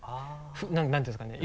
何て言うんですかね？